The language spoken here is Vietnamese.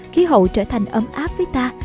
khí hậu trở thành ấm áp với ta